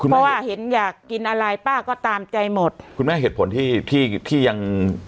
เพราะว่าเห็นอยากกินอะไรป้าก็ตามใจหมดคุณแม่เหตุผลที่ที่ยัง